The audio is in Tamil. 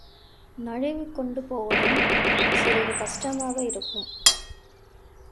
நழுவிக்கொண்டு போவதும் சிறிது கஷ்டமாக இருக்கும்.